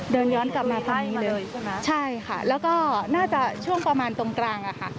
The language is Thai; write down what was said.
เดินย้อนกลับมาครั้งนี้เลยใช่ค่ะแล้วก็น่าจะช่วงประมาณตรงกลางอ่ะค่ะ